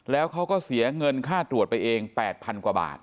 แล้วเขาก็เสียเงินค่าตรวจไปเอง๘๐๐๐กว่าบาท